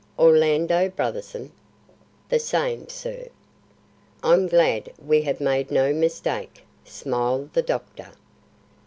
"Orlando Brotherson?" "The same, sir." "I'm glad we have made no mistake," smiled the doctor.